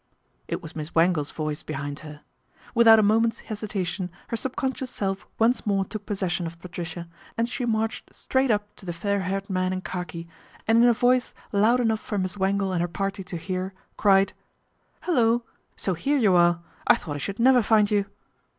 It was Miss Wangle's, voice behind her. ADVENTURE AT THE QUADRANT 33 Without a moment's hesitation her sub con scious self once more took possession of Patricia, and she marched straight up to the fair haired man in khaki and in a voice loud enough for Miss Wangle and her party to hear cried :" Hullo ! so here you are, I thought I should never find you."